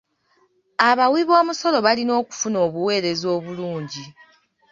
Abawiboomusolo balina okufuna obuweereza obulungi.